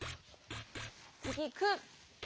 つぎ「く」。